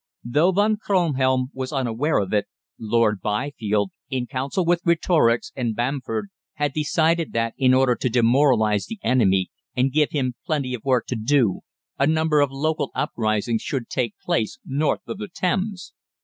Though Von Kronhelm was unaware of it, Lord Byfield, in council with Greatorex and Bamford, had decided that, in order to demoralise the enemy and give him plenty of work to do, a number of local uprisings should take place north of the Thames.